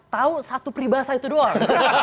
tahu satu pribahasa itu doang